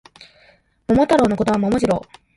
桃太郎の子供は桃次郎